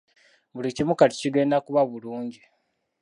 Buli kimu kati kigenda kuba bulungi